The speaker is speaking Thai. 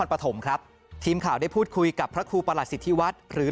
จังหวัดนครปฐมครับทีมข่าวได้พูดคุยกับพระครูประหลักศิษฐธิวัดหรือ